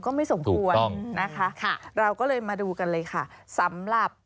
ไม่สมควรนะคะค่ะเราก็เลยมาดูกันเลยค่ะสำหรับ